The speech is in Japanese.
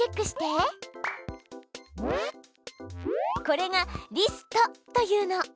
これがリストというの。